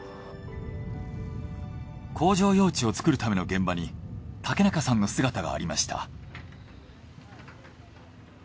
工場用地を作るための現場に竹中さんの姿がありました。